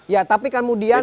ya tapi kan kemudian